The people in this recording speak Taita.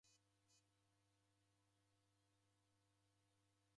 Dimfuye wughoma